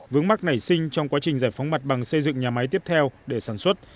vướng mắt nảy sinh trong quá trình giải phóng mặt bằng xây dựng nhà máy tiếp theo để sản xuất